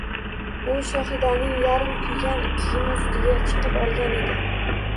U Shohidaning yarmi kuygan kiyimi ustiga chiqib olgan edi